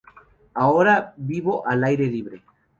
Ahora vivo al aire libre.